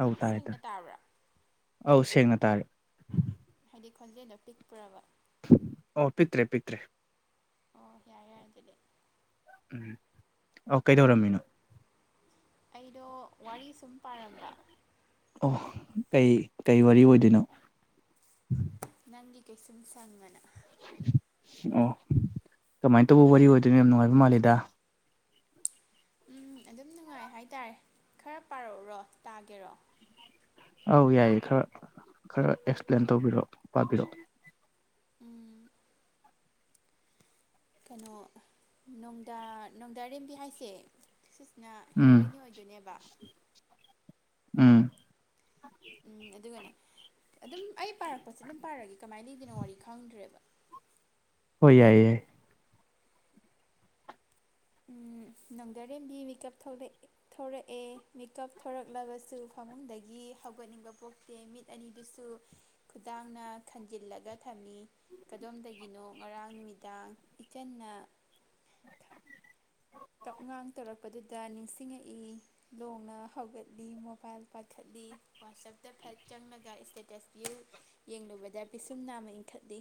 ꯑꯧ ꯑꯗꯨꯝ ꯇꯥꯔꯦ ꯇꯥꯔꯦ ꯁꯦꯡꯅ ꯇꯥꯕ꯭ꯔꯥ ꯑꯧ ꯁꯦꯡꯅ ꯇꯥꯔꯦ ꯍꯥꯏꯗꯤ ꯈꯣꯟꯖꯦꯜꯗꯣ ꯄꯤꯛꯄ꯭ꯔꯕ ꯑꯣ ꯄꯤꯛꯇ꯭ꯔꯦ ꯄꯤꯛꯇ꯭ꯔꯦ ꯑꯣ ꯌꯥꯔꯦ ꯌꯥꯔꯦ ꯑꯗꯨꯗꯤ ꯎꯝ ꯑꯣ ꯀꯩꯗꯧꯔꯝꯃꯤꯅꯣ ꯑꯩꯗꯣ ꯋꯥꯔꯤ ꯁꯨꯝ ꯄꯥꯔꯝꯕ ꯑꯣ ꯀꯩ ꯀꯩ ꯋꯥꯔꯤ ꯑꯣꯏꯗꯣꯏꯅꯣ ꯅꯪꯒꯤ ꯀꯩꯁꯨꯝꯁꯪ ꯑꯅꯥ ꯑꯣ ꯀꯃꯥꯏꯅ ꯇꯧꯕ ꯋꯥꯔꯤ ꯑꯣꯏꯗꯣꯏꯅꯣ ꯌꯥꯝ ꯅꯨꯡꯉꯥꯏꯕ ꯃꯥꯜꯂꯤꯗ ꯎꯝ ꯑꯗꯨꯝ ꯅꯨꯡꯉꯥꯏ ꯍꯥꯏꯇꯥꯔꯦ ꯈꯔ ꯄꯥꯔꯛꯎꯔꯣ ꯇꯥꯒꯦꯔꯣ ꯑꯧ ꯌꯥꯏꯌꯦ ꯈꯔ -ꯈꯔ ꯑꯦꯛꯁꯄ꯭ꯂꯦꯟ ꯇꯧꯕꯤꯔꯛꯑꯣ ꯄꯥꯕꯤꯔꯛꯑꯣ ꯎꯝ ꯀꯩꯅꯣ ꯅꯣꯡꯗꯥ ꯅꯣꯡꯗꯥꯔꯦꯝꯕꯤ ꯍꯥꯏꯁꯦ ꯁꯤꯁꯤꯅ ꯎꯝ ꯍꯦꯔꯣꯏꯟ ꯑꯣꯏꯗꯣꯏꯅꯦꯕ ꯎꯝ ꯎꯝ ꯑꯗꯨꯒꯅꯦ ꯑꯗꯨꯝ ꯑꯩ ꯄꯥꯔꯛꯄꯁꯦ ꯑꯗꯨꯝ ꯄꯥꯔꯛꯑꯒꯦ ꯀꯃꯥꯏꯅ ꯂꯩꯗꯣꯏꯅꯣ ꯋꯥꯔꯤ ꯈꯪꯗ꯭ꯔꯦꯕ ꯍꯣꯏ ꯌꯥꯏꯌꯦ ꯌꯥꯏꯌꯦ ꯎꯝ ꯅꯧꯗꯥꯔꯦꯝꯕꯤ ꯃꯤꯀꯞ ꯊꯣꯛꯂꯛ ꯊꯣꯔꯛꯑꯦ ꯃꯤꯀꯞ ꯊꯣꯔꯛꯂꯕꯁꯨ ꯐꯃꯨꯡꯗꯒꯤ ꯍꯧꯒꯠꯅꯤꯡꯕ ꯄꯣꯛ ꯗꯦ ꯃꯤꯠ ꯑꯅꯤꯗꯨꯁꯨ ꯈꯨꯗꯥꯡꯅ ꯈꯟꯖꯤꯜꯂꯒ ꯊꯝꯃꯤ ꯀꯗꯣꯝꯗꯒꯤꯅꯣ ꯉꯔꯥꯡ ꯅꯨꯃꯤꯗꯥꯡ ꯏꯆꯟꯅ [unintelligible] ꯀꯞꯉꯥꯡ ꯇꯧꯔꯛꯄꯗꯨꯗ ꯅꯤꯡꯁꯤꯡꯉꯛꯏ ꯂꯣꯡꯅ ꯍꯧꯒꯠꯂꯤ ꯃꯣꯕꯥꯏꯜ ꯄꯥꯏꯈꯠꯂꯤ ꯋꯥꯆꯞꯇ ꯐꯠ ꯆꯪꯂꯒ ꯏꯁꯇꯦꯇꯁ ꯕ꯭ꯌꯨ ꯌꯦꯡꯂꯨꯕꯗ ꯄꯤꯁꯨꯝ ꯅꯥꯝꯃ ꯏꯟꯈꯠꯂꯤ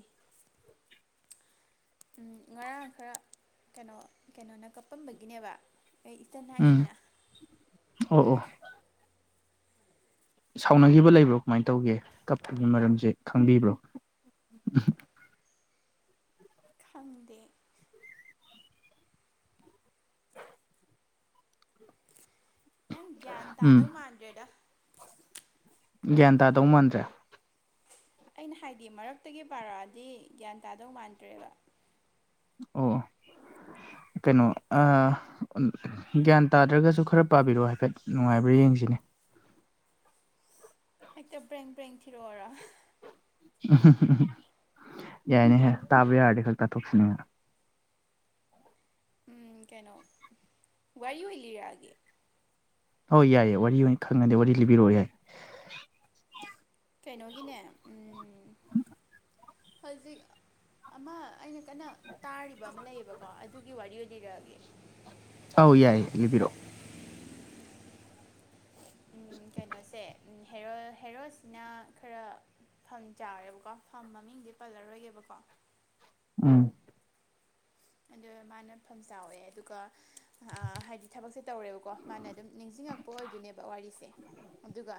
ꯎꯝ ꯉꯔꯥꯡ ꯈꯔ ꯀꯩꯅꯣ- ꯀꯩꯅꯣꯅ ꯀꯞꯄꯝꯕꯒꯤꯅꯦꯕ ꯑꯩ ꯏꯆꯟ ꯎꯝ ꯍꯥꯏꯁꯤꯅ ꯑꯣ ꯑꯣ ꯁꯥꯎꯅꯈꯤꯕ ꯂꯩꯕ꯭ꯔꯣ ꯀꯃꯥꯏꯅ ꯇꯧꯒꯦ ꯀꯞꯄꯒꯤ ꯃꯔꯝꯁꯦ ꯈꯪꯕꯤꯕ꯭ꯔꯣ ꯎꯝ ꯈꯪꯗꯦ ꯅꯪ ꯒ꯭ꯌꯥꯟ ꯎꯝ ꯇꯥꯗꯧ ꯃꯥꯟꯗ꯭ꯔꯦꯗ ꯒ꯭ꯌꯥꯟ ꯇꯥꯗꯧ ꯃꯥꯟꯗ꯭ꯔꯦ ꯑꯩꯅ ꯍꯥꯏꯗꯤ ꯃꯔꯛꯇꯒꯤ ꯄꯥꯔꯛꯑꯗꯤ ꯒ꯭ꯌꯥꯟ ꯇꯥꯗꯧ ꯃꯥꯟꯗ꯭ꯔꯦꯕ ꯑꯣ ꯀꯩꯅꯣ ꯑ ꯑꯝ ꯒ꯭ꯌꯥꯟ ꯇꯥꯗ꯭ꯔꯒꯁꯨ ꯈꯔ ꯄꯥꯕꯤꯔꯛꯑꯣ ꯍꯥꯏꯐꯦꯠ ꯅꯨꯡꯉꯥꯏꯕ꯭ꯔꯥ ꯌꯦꯡꯁꯤꯅꯦ ꯍꯦꯛꯇ ꯕ꯭ꯔꯦꯡ ꯕ꯭ꯔꯦꯡ ꯊꯤꯔꯛꯑꯣꯔ ꯌꯥꯏꯅꯦ-ꯌꯥꯏ ꯇꯥꯕ ꯌꯥꯔꯗꯤ ꯈꯔ ꯇꯥꯊꯣꯛꯁꯤꯅꯦ ꯎꯝ ꯀꯩꯅꯣ ꯋꯥꯔꯤ ꯑꯣꯏ ꯂꯤꯔꯛꯑꯒꯦ ꯍꯣꯏ ꯌꯥꯏꯌꯦ ꯋꯥꯔꯤ ꯑꯣꯏꯅ ꯈꯪꯉꯗꯤ ꯋꯥꯔꯤ ꯑꯣꯏꯅ ꯂꯤꯕꯤꯔꯛꯑꯣ ꯌꯥꯏ ꯀꯩꯅꯣꯒꯤꯅꯦ ꯎꯝ ꯍꯧꯖꯤꯛ ꯑꯃ ꯑꯩꯅ ꯀꯟꯅ ꯇꯥꯔꯤꯕ ꯑꯃ ꯂꯩꯌꯦꯕꯀꯣ ꯑꯗꯨꯒꯤ ꯋꯥꯔꯤ ꯑꯣꯏꯅ ꯂꯤꯔꯛꯑꯒꯦ ꯑꯧ ꯌꯥꯏꯌꯦ ꯂꯤꯕꯤꯔꯛꯑꯣ ꯀꯩꯅꯣꯁꯦ ꯍꯦꯔꯣ -ꯍꯦꯔꯣꯁꯤꯅ ꯈꯔ ꯐꯝ ꯆꯥꯔꯦꯕꯀꯣ ꯐꯝ ꯃꯃꯤꯡꯗꯤ ꯄꯜꯂꯔꯣꯏꯒꯦꯕꯀꯣ ꯎꯝ ꯑꯗꯣ ꯃꯥꯅ ꯐꯝ ꯆꯥꯎꯋꯦ ꯑꯗꯨꯒ ꯑꯥ ꯍꯥꯏꯗꯤ ꯊꯕꯛꯁꯦ ꯇꯧꯔꯦꯕꯀꯣ ꯃꯥꯅ ꯑꯗꯨꯝ ꯅꯤꯡꯁꯤꯡꯉꯛꯄ ꯑꯣꯏꯗꯣꯏꯅꯦꯕ ꯋꯥꯔꯤꯁꯦ ꯑꯗꯨꯒ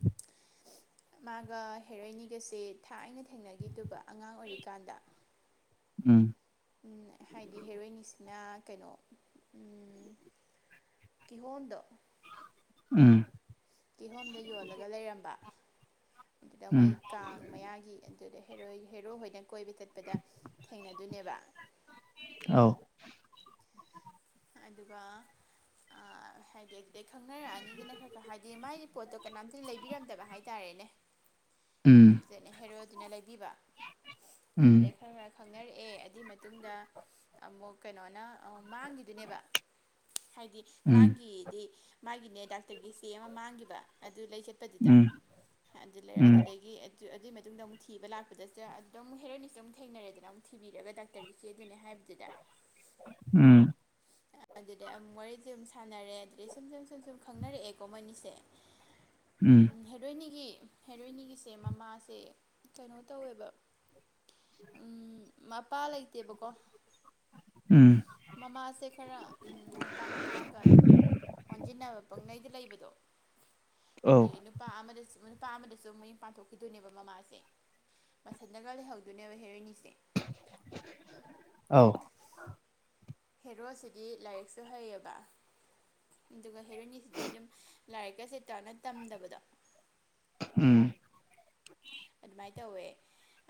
[inaudible] ꯃꯥꯒ ꯍꯦꯔꯣꯏꯟꯅꯤꯒꯁꯦ ꯊꯥꯏꯅ ꯊꯦꯡꯅꯈꯤꯗꯨꯕ ꯑꯉꯥꯡ ꯑꯣꯏꯔꯤꯀꯥꯟꯗ ꯎꯝ ꯎꯝ ꯍꯥꯏꯗꯤ ꯍꯦꯔꯣꯏꯟꯅꯤꯁꯤꯅ ꯀꯩꯅꯣ ꯀꯤꯍꯣꯝꯗꯣ ꯎꯝ ꯀꯤꯍꯣꯝꯗ ꯌꯣꯜꯂꯒ ꯂꯩꯔꯝꯕ ꯑꯗꯨꯗ ꯃꯩ ꯎꯝ ꯀꯥꯡ ꯃꯌꯥꯒꯤ ꯑꯗꯨꯗꯩꯩ ꯍꯦꯔꯣꯏ ꯍꯦꯔꯣ ꯍꯣꯏꯅ ꯀꯣꯏꯕ ꯆꯠꯄꯗ ꯊꯦꯡꯅꯗꯣꯏꯅꯦꯕ ꯑꯥꯎ ꯑꯗꯨꯒ ꯑꯥ ꯍꯥꯏꯗꯤ ꯑꯗꯨꯗꯩ ꯈꯪꯅꯔꯛꯑꯅꯤꯗꯅ ꯈꯔ ꯈꯔ ꯍꯥꯏꯗꯤ ꯃꯥꯒꯤ ꯄꯣꯠꯇꯣ ꯀꯅꯥꯝꯇꯅ ꯂꯩꯕꯤꯔꯝꯗꯕ ꯍꯥꯏꯇꯥꯔꯦꯅꯦ [inaudible] ꯎꯝ ꯑꯗꯨꯗꯩꯩ ꯍꯦꯔꯣꯗꯨꯅ ꯂꯩꯕꯤꯕ ꯑꯗꯨꯗꯩ ꯎꯝ ꯈꯔ ꯈꯔ ꯈꯪꯅꯔꯛꯑꯦ ꯑꯗꯨꯏ ꯃꯇꯨꯡꯗ ꯑꯃꯨꯛ ꯀꯩꯅꯣꯅ ꯃꯥꯡꯒꯤ ꯗꯨꯅꯦꯕ ꯍꯥꯏꯗꯤ ꯎꯝ ꯃꯥꯒꯤꯗꯤ ꯃꯥꯒꯤꯅꯦ ꯗꯥꯛꯇꯔꯒꯤ ꯆꯦ ꯑꯃ ꯃꯥꯡꯒꯤꯕ ꯑꯗꯨ ꯂꯩ ꯆꯠꯄꯗꯨꯗ ꯎꯝ ꯑꯗꯨ ꯂꯩꯔ ꯎꯝ ꯑꯗꯨꯗꯒꯤ ꯑꯗꯨ ꯑꯗꯨꯏ ꯃꯇꯨꯡꯗ ꯑꯃꯨꯛ ꯊꯤꯕ ꯂꯥꯛꯄꯗꯁꯨ ꯑꯗꯨꯝ ꯍꯦꯔꯣꯏꯟꯅꯤꯁꯨ ꯑꯃꯨꯛ ꯊꯦꯡꯅꯔꯦꯗꯅ ꯑꯃꯨꯛ ꯊꯤꯕꯤꯔꯒ ꯗꯥꯛꯇꯔꯒꯤ ꯆꯦꯗꯨꯅꯦ ꯍꯥꯏꯕꯗꯨꯗ ꯎꯝ ꯑꯗꯨꯗꯩꯩ ꯑꯃꯨꯛ ꯋꯥꯔꯤꯗꯤ ꯑꯗꯨꯝ ꯁꯥꯟꯅꯔꯦ ꯑꯗꯨꯗꯩ ꯁꯨꯝ ꯁꯨꯝ ꯁꯨꯝ ꯁꯨꯝ ꯈꯪꯅꯔꯛꯑꯦꯀꯣ ꯃꯣꯏꯅꯤꯁꯦ [inaudible] ꯍꯦꯔꯣꯏꯟꯅꯤꯒꯤ ꯍꯦꯔꯣꯏꯟꯅꯤꯒꯤꯁꯦ ꯃꯃꯥꯁꯦ ꯀꯩꯅꯣ ꯇꯧꯋꯦꯕ ꯎꯝ ꯃꯄꯥ ꯂꯩꯇꯦꯕꯀꯣ ꯎꯝ ꯃꯃꯥꯁꯦ ꯈꯔ ꯅꯨꯄꯥ ꯅꯍꯥꯒ ꯑꯗꯨꯝ ꯑꯣꯟꯖꯤꯟꯅꯕ ꯄꯪꯂꯩꯗ ꯂꯩꯕꯗꯣ ꯑꯧ ꯑꯗꯩꯩ ꯅꯨꯄꯥ ꯑꯃꯗꯁꯨ ꯅꯨꯄꯥ ꯑꯃꯗꯁꯨ ꯃꯌꯨꯝ ꯄꯥꯟꯊꯣꯛꯈꯤꯗꯣꯏꯅꯦꯕ ꯃꯃꯥꯁꯦ ꯃꯊꯟꯗꯒ ꯂꯩꯍꯧꯗꯣꯏꯅꯦꯕ ꯍꯦꯔꯣꯏꯅꯤꯁꯦ ꯑꯥꯎ ꯍꯦꯔꯣꯁꯤꯗꯤ ꯂꯥꯏꯔꯤꯛꯁꯨ ꯍꯩꯌꯦꯕ ꯑꯗꯨꯒ ꯍꯦꯔꯣꯏꯟꯅꯤꯁꯤꯗꯤ ꯑꯗꯨꯝ ꯂꯥꯏꯔꯤꯛꯀ ꯁꯦ ꯄꯥꯛꯅ ꯇꯝꯗꯕꯗꯣ ꯎꯝ ꯑꯗꯨꯃꯥꯏ ꯇꯧꯋꯦ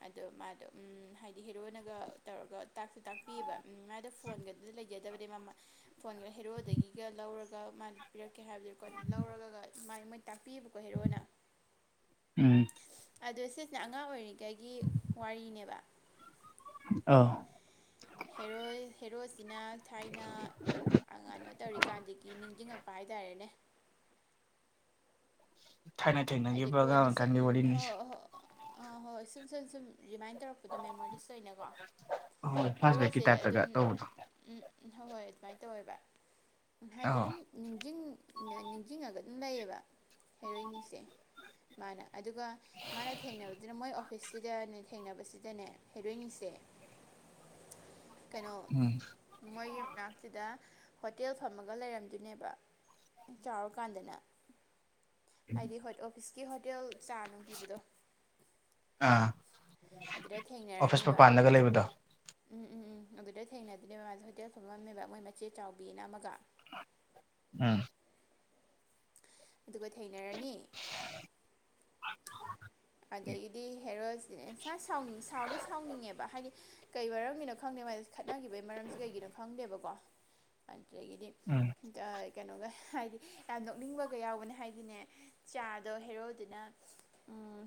ꯑꯗꯣ ꯃꯥꯗꯣ ꯎꯝ ꯍꯥꯏꯗꯤ ꯍꯦꯔꯣꯅꯒ ꯇꯧꯔꯒ ꯇꯥꯛꯁꯨ ꯇꯥꯛꯄꯤꯑꯦꯕ ꯎꯝ ꯃꯥꯗꯣ ꯐꯣꯟꯒꯗꯨ ꯂꯩ ꯖꯗꯕꯅꯦ ꯃꯃ ꯐꯣꯟꯒ ꯍꯦꯔꯣꯗꯒꯤꯒ ꯂꯧꯔꯒ ꯃꯥꯅ ꯄꯤꯔꯛꯀꯦ ꯍꯥꯏꯕꯗꯨꯀꯣ ꯂꯧꯔꯒ ꯃꯥꯏ ꯃꯣꯏ ꯇꯥꯛꯄꯤꯌꯦꯕꯀꯣ ꯍꯦꯔꯣꯅ ꯎꯝ ꯑꯗꯣ ꯁꯤꯁꯤꯅ ꯑꯉꯥꯡ ꯑꯣꯏꯔꯤꯒꯩꯒꯤ ꯋꯥꯔꯤꯅꯦꯕ ꯑꯧ ꯍꯦꯔꯣꯏ ꯍꯦꯔꯣꯁꯤꯅ ꯊꯥꯏꯅ ꯑꯉꯥ ꯇꯧꯔꯤꯀꯥꯟꯗꯒꯤ ꯅꯤꯡꯖꯤꯡꯉꯛ ꯄ ꯍꯥꯏꯇꯔꯦꯅꯦ ꯊꯥꯡꯅ ꯊꯩ ꯍꯥꯏꯗꯤ ꯀꯣꯟꯅ ꯁ ꯍꯣꯏ ꯑ ꯍꯣꯏ ꯑ ꯍꯣꯏ ꯁꯨꯝ ꯁꯨꯝ ꯁꯨꯝ ꯔꯤꯃꯥꯏꯟ ꯇꯧꯔꯛ ꯄꯗꯣ ꯃꯦꯃꯣꯔꯤꯁ ꯑꯣꯏꯅꯀꯣ ꯍꯣꯏ ꯐ꯭ꯂꯥꯁ ꯕꯦꯛꯀꯤ ꯍꯦꯔꯣꯁꯦ ꯇꯥꯏꯞꯇꯒ ꯑꯗꯨꯝ ꯇꯧꯕꯗꯣ ꯎꯝ ꯎꯝ ꯍꯣꯏ ꯍꯣꯏ ꯑꯗꯨꯃꯥꯏꯅ ꯇꯧꯋꯦꯕ ꯍꯥꯏꯗꯤ ꯑꯧ ꯑꯗꯨꯝ ꯅꯤꯡꯖꯤꯡ ꯅꯤꯡꯖꯤꯡꯉꯒ ꯑꯗꯨꯝ ꯂꯩꯌꯦꯕ ꯍꯩꯔꯣꯏꯅꯤꯁꯦ ꯃꯥꯅ ꯑꯗꯨꯒ ꯃꯥꯅ ꯊꯦꯡꯅꯕꯗꯨꯅ ꯃꯣꯏ ꯑꯣꯐꯤꯁꯁꯤꯗꯅꯦ ꯊꯦꯡꯅꯕꯁꯤꯗꯅꯦ ꯍꯩꯔꯣꯏꯅꯤꯁꯦ [inaudible] ꯀꯩꯅꯣ ꯎꯝ ꯃꯣꯏꯒꯤ ꯃꯅꯥꯛꯁꯤꯗ ꯍꯣꯇꯦꯜ ꯐꯝꯃꯒ ꯂꯩꯔꯝꯗꯣꯏꯅꯦꯕ ꯆꯥꯎꯔꯀꯥꯟꯗꯅꯦ ꯍꯥꯏꯗꯤ ꯑꯣꯐꯤꯁꯀꯤ ꯍꯣꯇꯦꯜ ꯆꯥ ꯅꯨꯡ ꯄꯤꯕꯗꯣ ꯑꯥ ꯑꯗꯨꯗ ꯑꯣꯐꯤꯁ ꯊꯦꯡꯅꯔꯅꯤꯕ ꯃꯄꯥꯟꯗꯒ ꯂꯩꯕꯗꯣ ꯎꯝ ꯎꯝ ꯎꯝ ꯑꯗꯨꯗ ꯊꯦꯡꯅꯗꯅꯦꯕ ꯃꯥꯁꯦ ꯍꯣꯇꯦꯜ ꯐꯝꯃꯝꯃꯦꯕ ꯃꯣꯏ ꯃꯆꯦ ꯆꯥꯎꯕꯤꯅ ꯑꯃꯒ ꯎꯝ ꯑꯗꯨꯒ ꯊꯦꯡꯅꯔꯅꯤ ꯑꯗꯒꯤꯗꯤ ꯍꯦꯔꯣꯁꯦ ꯁꯅꯤꯡ ꯁꯥꯎꯗꯤ ꯁꯥꯎꯅꯤꯡꯉꯦꯕ ꯍꯥꯏꯗꯤ ꯀꯩ ꯃꯔꯝꯒꯤꯅꯣ ꯈꯪꯗꯦ ꯃꯥꯁꯦ ꯈꯠꯅꯈꯤꯕꯒꯤ ꯃꯔꯝꯁꯦ ꯀꯩꯒꯤꯅꯣ ꯈꯪꯗꯦꯕꯀꯣ ꯑꯗꯨꯗꯒꯤꯗꯤ ꯎꯝ ꯀꯩꯅꯣꯒ ꯍꯥꯏꯗꯤ ꯌꯥꯝ ꯅꯣꯛꯅꯤꯡꯕꯒ ꯌꯥꯎꯕꯅꯦ ꯍꯥꯏꯗꯤꯅꯦ ꯆꯥꯗꯣ ꯍꯦꯔꯣꯗꯨꯅ ꯎꯝ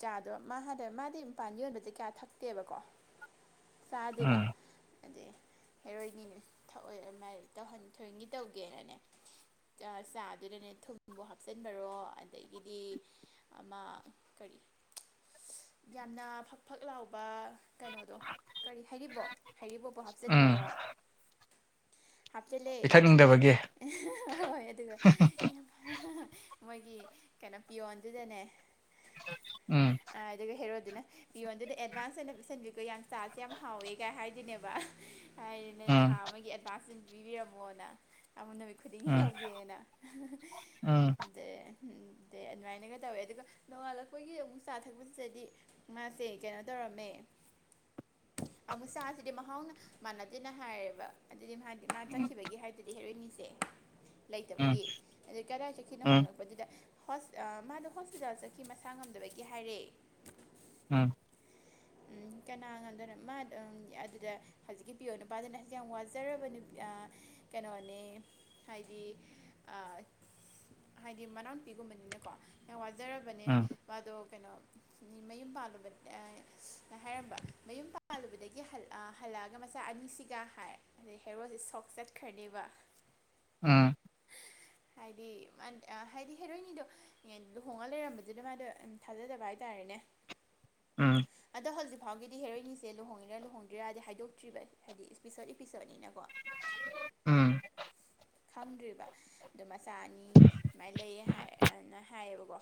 ꯆꯥꯗꯣ ꯃꯥ ꯍꯥꯟꯅ ꯃꯥꯗꯤ ꯃꯄꯥꯟꯗ ꯌꯣꯟꯕ ꯖ‌ꯦ ꯀꯌꯥ ꯊꯛꯇꯦꯕꯀꯣ ꯆꯥ ꯗ‌ꯦꯕ ꯎꯝ ꯑꯗꯩ ꯍꯦꯔꯣꯏꯅꯤꯅ‌ꯦ ꯊꯛꯑꯣꯏ ꯑꯗꯨ ꯃꯥꯥꯏ ꯇꯧꯍꯟ ꯊꯣꯏꯒꯤ ꯇꯧꯒꯦꯅꯅꯦ ꯆꯥ ꯗꯨꯗꯅꯦ ꯊꯨꯝꯕꯨ ꯍꯥꯞꯆꯤꯟꯕꯔꯣ ꯑꯗꯒꯤꯗꯤ ꯑꯃꯥ ꯀꯔꯤ ꯌꯥꯝꯅ ꯐꯛ ꯐꯛ ꯂꯥꯎꯕ ꯀꯩꯅꯣꯗꯣ ꯀꯔꯤ ꯍꯩꯔꯤꯕꯣꯕ ꯍꯩꯔꯤꯕꯣꯕ ꯄꯨ ꯎꯝ ꯍꯥꯞꯆꯤꯟꯕꯔꯣ ꯍꯥꯞꯆꯤꯜꯂꯦ ꯄꯤꯊꯛꯅꯤꯡꯗꯕꯒꯤ ꯍꯣꯏ ꯑꯗꯨꯒ ꯃꯣꯏꯒꯤ ꯀꯩꯅꯣ ꯄꯤꯌꯣꯟꯗꯨꯗꯅꯦ ꯎꯝ ꯑ ꯑꯗꯨꯒ ꯍꯦꯔꯣꯗꯨꯅ ꯄꯤꯌꯣꯟꯗꯨꯗ ꯑꯦꯗꯚꯥꯟꯁ ꯑꯣꯏꯅ ꯄꯤꯁꯟꯕꯤꯒ‌ꯣ ꯌꯥꯝ ꯆꯥꯁꯦ ꯌꯥꯝ ꯍꯥꯎꯋꯦ ꯀꯥꯏ ꯍꯥꯏꯗꯨꯅꯦꯕ ꯍꯥꯏꯔꯤꯅꯦ ꯊꯥ ꯎꯝ ꯑꯃꯥꯒꯤ ꯑꯦꯗꯚꯥꯟꯁ [unintelligible] ꯄꯤꯕꯤꯔꯝꯃꯣꯅ ꯑꯃꯥ ꯅꯨꯃꯤꯠ ꯈꯨꯗꯤꯡꯒꯤ ꯎꯝ ꯂꯧꯒꯦꯅ ꯎꯝ [unintelligible] ꯎꯝ ꯗ‌ꯦ ꯑꯗꯨꯃꯥꯏꯅꯒ ꯇꯧꯋꯦ ꯑꯗꯨꯒ ꯅꯣꯉꯥꯜꯂꯛꯄꯒꯤ ꯑꯃꯨꯛ ꯆꯥ ꯊꯛꯄꯁꯤꯗꯗꯤ ꯃꯥꯁꯦ ꯀ‌ꯦꯅꯣ ꯇꯧꯔꯝꯃꯦ [inaudible] ꯑꯃꯨꯛ ꯆꯥꯁꯤꯗꯤ ꯃꯍꯥꯎꯅ ꯃꯥꯅꯗꯦꯅ ꯍꯥꯏꯔꯦꯕ ꯑꯗꯨꯗꯤ ꯃꯥꯗꯤ ꯃꯥ ꯆꯠꯈꯤꯕꯒꯤ ꯍꯥꯏꯗꯨꯗꯤ ꯍꯦꯔꯣꯏꯅꯤꯁꯦ ꯎꯝ ꯂꯩꯇꯕꯒꯤ ꯑ‌ꯦ ꯀꯔꯥꯏ ꯆꯈꯤꯅ‌ꯣ ꯎꯝ ꯍꯪꯂ ꯄꯗꯨꯗ ꯍ‌ꯣꯁ ꯑꯥ ꯃꯥꯗꯣ ꯍꯣꯁꯄꯤꯇꯥꯜ ꯆꯈꯤ ꯃꯁꯥ ꯉꯝꯗꯕꯒꯤ ꯍꯥꯏꯔ‌ꯦ ꯎꯝ ꯎꯝ ꯀꯅꯥꯒꯗꯔ ꯃꯥ ꯑꯝ ꯑꯗꯨꯗ ꯍꯖꯤꯛꯀꯤ ꯄꯤꯌ‌ꯣꯟ ꯅꯨꯄꯥꯖꯤꯅ ꯌꯥꯝ ꯋꯖꯔꯕ ꯅ‌ꯦ ꯑꯥ ꯀ‌ꯦꯅꯣꯅꯦ ꯍꯥꯏꯗꯤ ꯑꯥ ꯍꯥꯏꯗꯤ ꯃꯅꯥꯎ ꯅꯨꯄꯤ ꯒꯨꯝꯕꯅꯤꯅꯀꯣ ꯌꯥꯝ ꯋꯥꯖꯔꯕꯅꯦ ꯎꯝ ꯃꯥꯗꯣ ꯀꯩꯅꯣ ꯃꯌꯨꯝ ꯄꯥꯜꯂꯨꯕ ꯍꯥꯏꯔꯝꯕ ꯃꯌꯨꯝ ꯄꯥꯜꯂꯨꯕꯗꯒꯤ ꯍꯜ ꯑꯥ ꯍꯂꯑꯒ ꯃꯆꯥ ꯑꯅꯤꯁꯤꯒ ꯍꯥꯏ ꯑꯗꯩ ꯍꯦꯔꯣ ꯖ‌ꯦ ꯁꯣꯛ ꯆꯠꯈ꯭ꯔꯅꯦꯕ ꯎꯝ ꯍꯥꯏꯗꯤ ꯃꯥꯟ ꯑꯥ ꯍꯥꯏꯗꯤ ꯍꯦꯔꯣꯏꯅꯤꯗꯣ ꯌ‌ꯦꯟ ꯂꯨꯍꯣꯡꯉ ꯂꯩꯔꯝꯕꯗꯨꯗ ꯃꯥꯗꯣ ꯊꯥꯖꯗꯕ ꯍꯥꯏꯇꯥꯔꯦꯅꯦ ꯎꯝ ꯑꯗꯣ ꯍꯧꯖꯤꯛ ꯐꯥꯎꯒꯤꯗꯤ ꯍꯦꯔꯣꯏꯅꯤꯁꯦ ꯂꯨꯍꯣꯡꯉꯤꯔꯥ ꯂꯨꯍꯣꯡꯗꯔꯤꯔꯗꯤ ꯍꯥꯏꯗꯣꯛꯇ꯭ꯔꯤꯕ ꯍꯥꯏꯗꯤ ꯏꯁꯄꯤꯁ‌ꯣꯠ ꯏꯄꯤꯁꯣꯠꯅꯤꯅꯀꯣ ꯎꯝ ꯈꯪꯗ꯭ꯔꯤꯕ ꯗ‌ꯣ ꯃꯆꯥ ꯑꯅꯤ ꯁꯨꯃꯥꯏ ꯂꯩꯌꯦ ꯍꯥꯏꯅ ꯍꯥꯏꯌꯦꯕꯀꯣ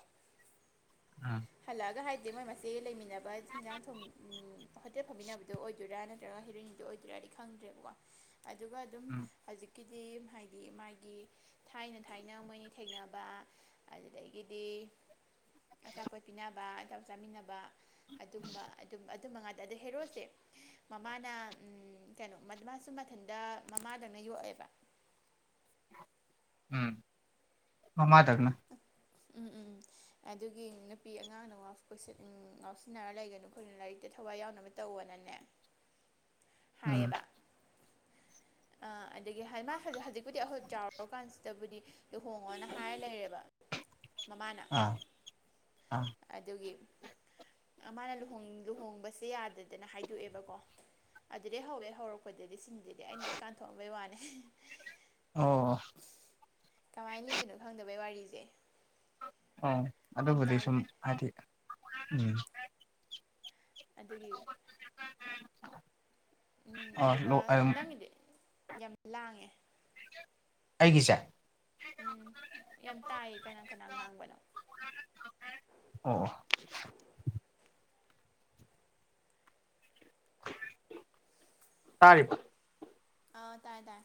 ꯎꯝ ꯍꯂꯥꯑꯒ ꯍꯥꯏꯗꯤ ꯃꯣꯏ ꯃꯆ‌ꯦ ꯂꯩꯃꯤꯟꯅꯕ ꯍꯤꯟꯖꯥꯡ ꯊꯣꯡꯃꯤꯟ ꯍꯣꯇꯦꯜ ꯐꯃꯤꯟꯅꯕꯗꯣ ꯑꯣꯏꯗꯣꯏꯔꯥ ꯅꯠꯇ꯭ꯔꯒ ꯍ‌ꯦꯔꯣꯏꯅꯤꯗꯨ ꯑꯣꯏ ꯗꯨꯔꯗꯤ ꯈꯪꯗ꯭ꯔꯦꯕꯀꯣ ꯑꯗꯨꯒ ꯑꯗꯨꯝ ꯎꯝ ꯍꯖꯤꯛꯀꯤ ꯗꯤꯝ ꯍꯥꯏ ꯗꯤ ꯃꯥꯒꯤ ꯊꯥꯏꯅ ꯊꯥꯏꯅ ꯃꯣꯏꯅꯤ ꯊꯦꯡꯅꯕ ꯑꯗꯨꯗꯒꯤꯗꯤ ꯑꯆꯥꯄꯣꯠ ꯄꯤꯅꯕ [unintelligible] ꯆꯥꯃꯤꯟꯅꯕ ꯑꯗꯨꯝꯕ ꯑꯗꯨꯝ ꯇꯨꯝꯕ ꯉꯥꯇ ꯗ ꯍꯦꯔꯣꯁꯦ ꯃꯃꯥꯅ ꯎꯝ ꯀꯅꯣ ꯃꯥꯁꯨ ꯃꯊꯟꯗ ꯃꯃꯥꯗ‌ꯪꯅ ꯌꯣꯛꯑꯦꯕ ꯎꯝ ꯃꯥꯃꯥ ꯗꯪꯅ ꯎꯝ ꯎꯝ ꯑꯗꯨꯒꯤ ꯅꯨꯄꯤ ꯑꯉꯥꯡꯅ [unintelligible] ꯉꯥꯎꯁꯤꯟꯅꯔ ꯂꯩꯒꯅꯨ ꯈꯣꯏꯅ ꯂꯥꯏꯔꯤꯛꯇ ꯊꯋꯥꯏ ꯌꯥꯎꯅꯕ ꯇꯧ ꯑꯅꯥꯅꯦ ꯎꯝ ꯍꯥꯏꯌꯦꯕ ꯑꯥ ꯑꯗꯒꯤ ꯍꯥꯏꯃꯥ ꯍꯖꯤꯛ ꯍꯖꯤꯛꯄꯨꯗꯤ ꯑꯈꯣꯏ ꯆꯥꯎꯔ ꯀꯥꯟꯁꯤꯗꯕꯨꯗꯤ ꯂꯨꯍꯣꯡꯉꯣꯅ ꯍꯥꯏꯔ ꯂꯩꯔꯦꯕ ꯃꯃꯥꯅ ꯑ ꯑ ꯑꯗꯨꯒꯤ ꯃꯥꯅ ꯂꯨꯍꯣꯡꯕꯁꯦ ꯌꯥꯗꯗꯅ ꯍꯥꯏꯗꯣꯛꯑꯦꯕꯀꯣ ꯑꯗꯨꯗꯤ ꯍꯧꯋꯦ ꯍꯧꯔꯛꯄꯗꯗꯤ ꯁꯤꯡꯗꯨꯗꯤ ꯑꯩꯅ ꯂꯣꯏꯅꯥ ꯀꯥꯟꯊꯣꯛꯑꯝꯕꯩ ꯋꯥꯅꯦ ꯑꯣ ꯀꯃꯥꯏꯅ ꯂꯤꯗꯣꯏꯅꯣ ꯈꯪꯗꯕꯩ ꯋꯥꯔꯤꯁꯦ ꯑꯣ ꯀꯟ ꯑꯗꯨꯕꯨꯗꯤ ꯁꯨꯝ ꯇꯥꯈꯤꯕꯅꯦ ꯍꯥꯏꯗꯤ ꯎꯝ ꯑꯗꯨꯒꯤ ꯎꯝ ꯎꯝ ꯎꯝ ꯑꯗꯨꯒ ꯅꯪꯒꯤꯗꯤ ꯌꯥꯝ ꯂꯥꯡꯉꯦ ꯑꯩꯒꯤꯁꯦ ꯎꯝ ꯌꯥꯝ ꯇꯥꯏꯌꯦ ꯀꯅꯥ ꯀꯅꯥ ꯉꯥꯡꯕꯅꯣ ꯑꯣ ꯇꯥꯔꯤꯕ ꯑꯥ ꯇꯥꯏ ꯇꯥꯏ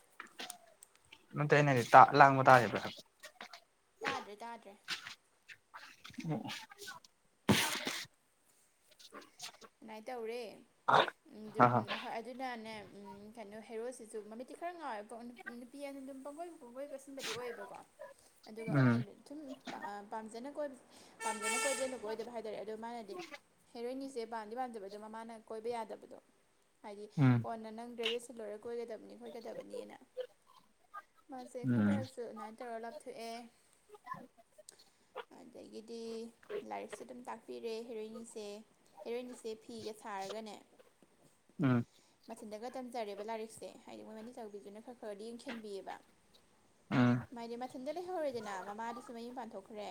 ꯅꯠꯇꯦ ꯑꯩ ꯅꯥ ꯍꯥꯏꯗꯤꯕꯂꯥꯡꯕ ꯇꯥꯔꯤꯕ꯭ꯔꯥ ꯇꯥꯗ꯭ꯔꯦ ꯇꯥꯗ꯭ꯔꯦ ꯑꯣ [unintelligible] ꯑꯗꯨꯨꯃꯥꯏꯅ ꯇꯧꯔꯦ ꯍꯣꯏ ꯑꯗꯨꯅꯅꯦ ꯀꯩꯅꯣ ꯍꯦꯔꯣꯁꯤꯁꯨ ꯃꯃꯤꯠꯇꯤ ꯈꯔ ꯉꯥꯎꯋꯦ ꯅꯨꯄꯤ ꯑꯅ ꯑꯗꯨꯝ ꯄꯪꯒꯣꯏ ꯄꯪ ꯀꯣꯏ ꯀꯣꯏꯁꯤꯟꯕꯗꯤ ꯑꯣꯏꯌꯦꯕꯀꯣ ꯑꯗꯨꯒ ꯎꯝ ꯃꯥꯅꯗꯅꯤ ꯁꯨꯝ ꯄꯥꯝꯖꯅ ꯄꯥꯝꯖꯅ ꯀꯣꯏꯕꯗꯤ ꯑꯣꯏꯗꯕ ꯍꯥꯏ ꯇꯔꯦ ꯑꯗꯣ ꯃꯥꯅꯗꯤ ꯍꯦꯔꯣꯏꯅꯤꯁꯦ ꯄꯝꯗꯤ ꯄꯥꯝꯗꯕ ꯑꯗꯣ ꯃꯃꯥꯅ ꯀꯣꯏꯕ ꯌꯥꯗꯕꯗꯣ ꯍꯥꯏꯗꯤ ꯎꯝ ꯀꯣꯟꯅ ꯅꯪ ꯒ꯭ꯔꯦꯖꯨꯁ ꯁꯤ ꯂ‌ꯣꯏꯔꯥ ꯀ‌ꯣꯏꯒꯗꯕꯅꯤ ꯈ‌ꯣꯠꯀꯗꯕꯅꯤꯅ ꯃꯥꯁꯦ ꯎꯝ ꯈꯔꯗꯁꯨ ꯇꯧꯔ ꯂꯞ ꯊꯣꯛꯑꯦ ꯑꯗꯒꯤꯗꯤ ꯂꯥꯏꯔꯤꯛꯁꯨ ꯑꯗꯨꯝ ꯇꯥꯛꯄꯤꯔꯦ ꯍꯦꯔꯣꯏꯅꯤꯁꯦ ꯍꯦꯔꯣꯏꯅꯤꯁꯦ ꯐꯤ ꯐꯤꯒ ꯁꯥꯔꯒꯅꯦ ꯎꯝ ꯃꯊꯟꯗꯒ ꯇꯝꯖꯔꯦꯕ ꯂꯥꯏꯔꯤꯛꯁꯦ ꯍꯥꯏꯗꯤ ꯃꯣꯏ ꯃꯅꯦ ꯆꯥꯎꯕꯤꯗꯨꯅ ꯈꯔ ꯈꯔꯗꯤ ꯌꯦꯡꯁꯤꯟꯕꯤꯑꯕ ꯎꯝ ꯃꯥꯗꯤ ꯃꯊꯟꯇ ꯂꯩꯍꯧꯔꯦꯗꯅ ꯃꯃꯥꯗꯨꯁꯨ ꯃꯌꯨꯝ ꯄꯥꯟꯊꯣꯛꯈ꯭ꯔꯦ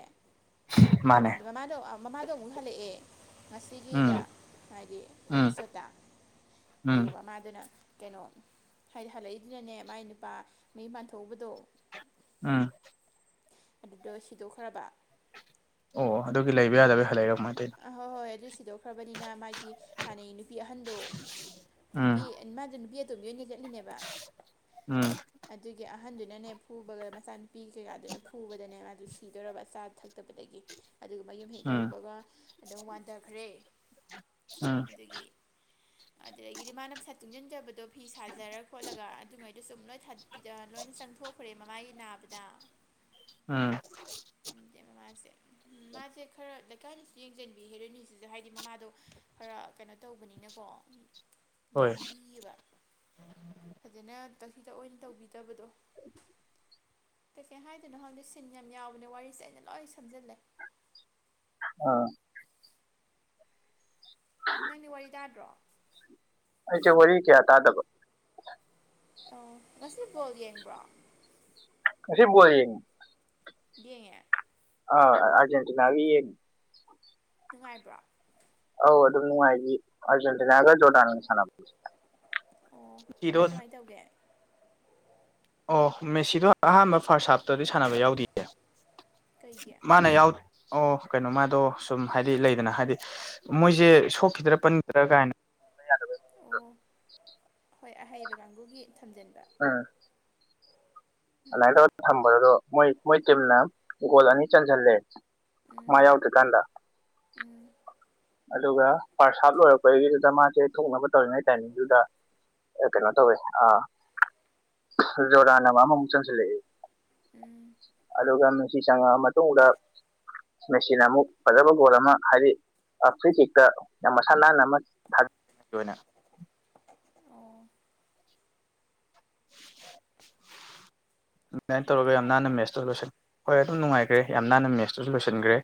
ꯃꯥꯅꯦ ꯑꯗ ꯃꯃꯥꯗꯣ ꯃꯃꯥꯗꯣ ꯑꯃꯨꯛ ꯍꯜꯂꯛꯑꯦ ꯉꯁꯤꯒꯤꯗ ꯎꯝ ꯍꯥꯏꯗꯤ ꯎꯝ ꯑꯦꯄꯤꯁꯣꯠꯇ ꯎꯝ ꯑꯗꯨꯒ ꯃꯥꯗꯨꯅ ꯀꯩꯅꯣ ꯍꯥꯏꯗꯤ ꯍꯜꯂꯛꯏꯗꯨꯅꯅꯦ ꯃꯥꯏ ꯅꯨꯄꯥ ꯃꯌꯨꯝ ꯄꯥꯟꯊꯣꯛꯎꯕꯗꯣ ꯎꯝ ꯑꯗꯨꯗꯣ ꯁꯤꯗꯣꯛꯈ꯭ꯔꯕ ꯑꯣ ꯑꯗꯨꯒꯤ ꯂꯩꯕ ꯌꯥꯗꯕꯩ ꯍꯜꯂꯛꯏꯔꯥ ꯅꯠꯇꯔꯥ ꯀꯃꯥꯏ ꯇꯧꯔꯤꯅꯣ ꯍꯣꯏ ꯍꯣꯏ ꯍꯣꯏ ꯑꯗꯨꯏ ꯁꯤꯗꯣꯛꯈ꯭ꯔꯕꯅꯤꯅ ꯃꯥꯒꯤ ꯍꯥꯟꯅꯩ ꯅꯨꯄꯤ ꯑꯍꯟꯗꯣ ꯎꯝ ꯅꯨꯄꯤ ꯃꯥꯗꯤ ꯅꯨꯄꯤ ꯑꯇꯣꯝ ꯕꯤꯑꯣꯏꯅ ꯆꯠꯂꯤꯅꯦꯕ ꯎꯝ ꯑꯗꯨꯒꯤ ꯑꯍꯟꯗꯨꯅꯅꯦ ꯐꯨꯕꯒ ꯃꯆꯥꯅꯨꯄꯤ ꯀꯩꯀꯥꯗꯨꯅ ꯐꯨꯕꯗꯅꯦ ꯃꯥꯗꯨ ꯁꯤꯗꯣꯔꯥꯕ ꯆꯥ ꯗ ꯐꯛꯇꯕꯗꯒꯤ ꯑꯗꯨꯒ ꯌꯨꯝ ꯍꯦꯛ ꯎꯝ ꯇꯔꯕꯒ ꯑꯗꯨꯝ ꯋꯥꯟꯊꯈ꯭ꯔꯦ ꯎꯝ ꯑꯗꯒꯤ ꯑꯗꯨꯗꯒꯤꯗꯤ ꯃꯥꯅ ꯄꯩꯁꯥ ꯇꯨꯡꯁꯤꯟꯖꯕꯗꯣ ꯐꯤ ꯁꯥꯖꯔ ꯈꯣꯠꯂꯒ ꯑꯗꯨꯉꯩꯗꯣ ꯁꯨꯝ ꯂꯣꯏ ꯄꯤꯗ ꯂꯣꯏꯅ ꯆꯪꯊꯣꯛꯈ꯭ꯔꯦ ꯃꯃꯥꯒꯤ ꯅꯥꯕꯗ ꯎꯝ ꯃꯥꯁꯦ ꯃꯥꯁꯦ ꯈꯔ ꯏ ꯀꯥꯏꯅꯁꯨ ꯌꯦꯡꯁꯤꯟꯕꯤ ꯍꯦꯔꯣꯏꯅꯤ ꯁꯤꯁꯨ ꯍꯥꯏꯗꯤ ꯃꯃꯥꯗꯣ ꯈꯔ ꯀꯩꯅꯣ ꯇꯧꯕꯅꯤꯅꯀꯣ ꯍꯣꯏ ꯉꯥꯡꯕꯤꯌꯦꯕ ꯐꯖꯅ ꯇꯊꯥ ꯇ ꯑꯣꯏꯅ ꯇꯧꯕꯤꯗꯕꯗꯣ ꯀꯩꯀꯩ ꯍꯥꯏꯗꯨꯅꯣ ꯈꯪꯗꯦ ꯁꯤꯟ ꯌꯥꯝ ꯌꯥꯎꯕꯅꯦ ꯋꯥꯔꯤꯁꯦ ꯑꯩꯅ ꯂꯣꯏ ꯁꯝꯖꯜꯂꯦ ꯑꯥ ꯅꯪꯗꯤ ꯋꯥꯔꯤ ꯇꯗ꯭ꯔꯣ ꯑꯩꯁꯦ ꯋꯥꯔꯤ ꯀꯌꯥ ꯇꯥꯗꯕ ꯑꯣ ꯉꯁꯤ ꯕꯣꯜ ꯌꯦꯡꯕ꯭ꯔꯣ ꯉꯁꯤ ꯕꯣꯜ ꯌꯦꯡ ꯌꯦꯡꯉꯦ ꯑ ꯑꯔꯖꯦꯟꯇꯤꯅꯥꯒꯤ ꯌꯦꯡꯉꯦ ꯅꯨꯡꯉꯥꯏꯕ꯭ꯔꯥ ꯑꯧ ꯑꯗꯨꯝ ꯅꯨꯡꯉꯥꯏꯈꯤ ꯑꯥꯔꯖꯦꯟꯇꯤꯅꯥꯒ ꯖꯣꯔꯗꯥꯟꯒ ꯁꯥꯟꯅꯕ ꯑꯣ ꯀꯃꯥꯏ ꯀꯃꯥꯏ ꯇꯧꯒꯦ ꯑꯣ ꯃꯦꯁꯤꯗꯣ ꯑꯍꯥꯟꯕ ꯐꯥꯔꯁ ꯍꯥꯞꯇꯗꯤ ꯁꯥꯟꯅꯕ ꯌꯥꯎꯗꯌꯦ ꯀꯩꯒꯤ ꯃꯥꯅ ꯌꯥꯎ ꯑꯣ ꯀꯩꯅꯣꯃꯗꯣ ꯁꯨꯝ ꯍꯥꯏꯗꯤ ꯂꯩꯗꯅ ꯍꯥꯏꯗꯤ ꯃꯣꯏꯁꯦ ꯁꯣꯛꯈꯤꯗ꯭ꯔꯥ ꯄꯟꯈꯤꯗ꯭ꯔꯥ ꯀꯥꯏꯅ ꯑꯣ ꯍꯣꯏ ꯑꯍꯩꯕ ꯀꯥꯡꯕꯨꯒꯤ ꯊꯝꯖꯤꯟꯕ ꯑꯥ ꯑꯥꯏ ꯎꯝ ꯇꯧꯔ ꯊꯝꯕꯗꯣ ꯃꯣꯏ ꯃꯣꯏ ꯇꯤꯝꯅ ꯒꯣꯜ ꯑꯅꯤ ꯆꯟꯁꯤꯜꯂꯦ ꯃꯥ ꯎꯝ ꯌꯥꯎꯗ꯭꯭ꯔꯀꯥꯟꯗ ꯎꯝ ꯑꯗꯨꯒ ꯐꯥꯔꯁꯍꯥꯞ ꯂꯣꯏꯔꯛꯄꯒꯤꯗꯨꯗ ꯃꯥꯁꯦ ꯊꯣꯛꯅꯕ ꯇꯧꯔꯤꯉꯩ ꯇꯥꯏꯃꯤꯡꯗꯨꯗ ꯀꯩꯅꯣ ꯇꯧꯋꯦ ꯑꯥ ꯖꯣꯔꯗꯥꯟꯅ ꯑꯃꯃꯨꯛ ꯆꯪꯁꯤꯜꯂꯛꯏꯦ ꯎꯝ ꯑꯗꯨꯒ ꯃꯦꯁꯤ ꯆꯪꯉꯛꯑ ꯃꯇꯨꯡꯗ ꯃꯦꯁꯤꯅ ꯑꯃꯨꯛ ꯐꯖꯕ ꯒꯣꯜ ꯑꯃ ꯍꯥꯏꯗꯤ ꯐ꯭ꯔꯤꯀꯤꯛꯇ ꯌꯥꯝ ꯃꯁꯥ ꯅꯥꯟꯅ ꯑꯃ ꯊꯥ ꯑꯣ [inaudible] [unintelligible] ꯑꯗꯨꯃꯥꯏꯅ ꯑꯗꯨꯝ ꯇꯧꯔꯒ ꯌꯥꯝ ꯅꯥꯟꯅ ꯅꯨꯡꯉꯥꯏꯈ꯭ꯔꯦ ꯃꯦꯠꯁꯇꯨ ꯂꯣꯏꯟ ꯍꯣꯏ ꯑꯗꯨꯝ ꯅꯨꯡꯉꯥꯏꯈ꯭ꯔꯦ ꯌꯥꯝ ꯅꯥꯟꯅ ꯃꯦꯠꯁꯇꯨꯁꯨ ꯂꯣꯏꯁꯤꯟꯈ꯭ꯔꯦ